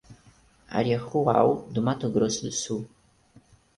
Área Rual do Mato Grosso do Sul